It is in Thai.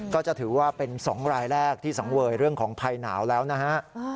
ก็จะถือว่าเป็น๒รายแรกที่สังเวยเรื่องของภัยหนาวแล้วนะฮะ